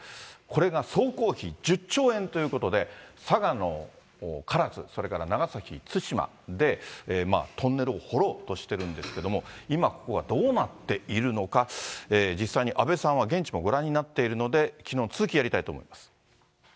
これが総工費１０兆円ということで、佐賀の唐津、それから長崎・対馬で、トンネルを掘ろうとしてるんですけれども、今ここはどうなっているのか、実際に阿部さんは現地もご覧になっているので、きのうの続き、やりたいと思います。